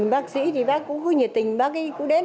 bác sĩ thì bác cũng nhiệt tình bác cứ đến